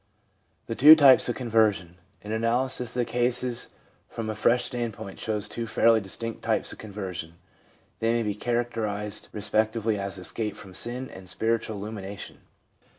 4. Two Types of Conversion. — An analysis of the cases from a fresh standpoint shows two fairly distinct types of conversion. They may be characterised re spectively as escape from sin and spiritual illumination.